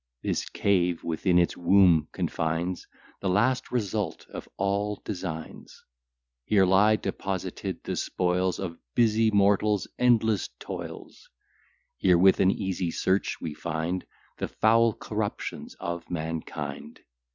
This cave within its womb confines The last result of all designs: Here lie deposited the spoils Of busy mortals' endless toils: Here, with an easy search, we find The foul corruptions of mankind.